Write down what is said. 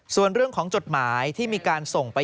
ส่วนเรื่องของจดหมายที่มีการส่งไป